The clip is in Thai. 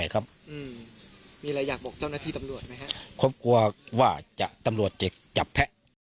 กลัวว่าจะตำรวจจะจับแพ้